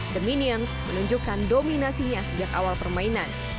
the minions menunjukkan dominasinya sejak awal permainan